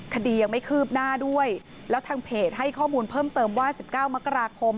คดียังไม่คืบหน้าด้วยแล้วทางเพจให้ข้อมูลเพิ่มเติมว่า๑๙มกราคม